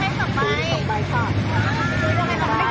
อีกใบหนึ่ง